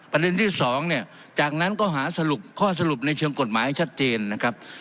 ประเด็นที่๒จากนั้นก็หาข้อสรุปในเชิงกฎหมายชัดเจนนะครับ